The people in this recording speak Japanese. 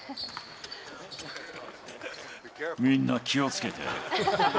みんな気をつけて。